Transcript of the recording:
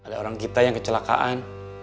ada orang kita yang kecelakaan